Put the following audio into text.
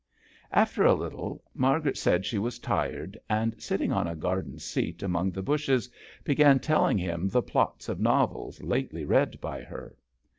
After a little Margaret said she was tired, and, sitting on a garden seat among the bushes, began telling him the plots of novels lately read by her.